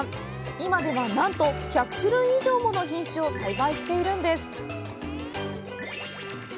今では、なんと１００種類以上もの品種を栽培しているんです。